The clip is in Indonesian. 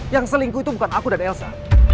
yang selingkuh itu bukan aku dan elsa